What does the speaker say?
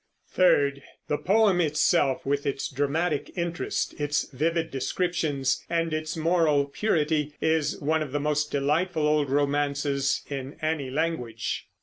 Third, the poem itself with its dramatic interest, its vivid descriptions, and its moral purity, is one of the most delightful old romances in any language.